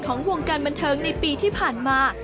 ของวงการบันเทิงในปีที่ผ่านมา